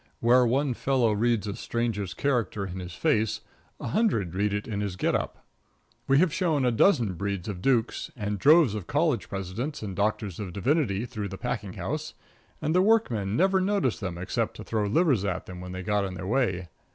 Where one fellow reads a stranger's character in his face, a hundred read it in his get up. We have shown a dozen breeds of dukes and droves of college presidents and doctors of divinity through the packing house, and the workmen never noticed them except to throw livers at them when they got in their way.